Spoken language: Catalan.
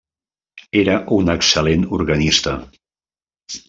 Era un excel·lent organista.